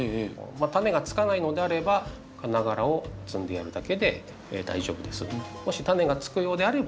種がつかないのであれば花がらを摘んでやるだけで大丈夫です。